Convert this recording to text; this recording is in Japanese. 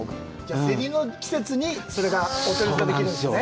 セリの季節にそれがお取り寄せできるんですよね。